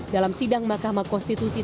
dalam sidang mahkamah konstitusi